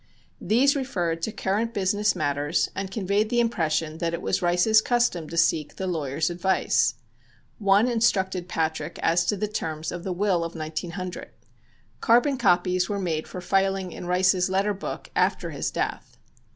These referred to current business matters and conveyed the impression that it was Rice's custom to seek the lawyer's advice. One instructed Patrick as to the terms of the will of 1900. Carbon copies were made for filing in Rice's letter book after his death.